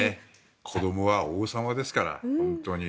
子供は王様ですから本当に。